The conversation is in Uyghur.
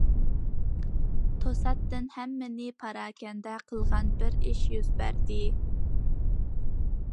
توساتتىن ھەممىنى پاراكەندە قىلغان بىر ئىش يۈز بەردى.